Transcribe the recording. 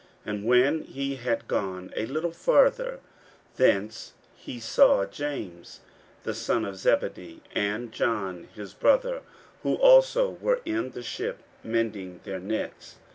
41:001:019 And when he had gone a little farther thence, he saw James the son of Zebedee, and John his brother, who also were in the ship mending their nets.